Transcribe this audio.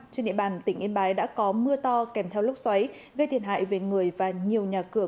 trên địa bàn tỉnh yên bái đã có mưa to kèm theo lốc xoáy gây thiệt hại về người và nhiều nhà cửa